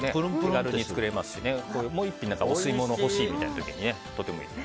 気軽に作れますし、もう１品お吸い物ほしいという時にとてもいいと思います。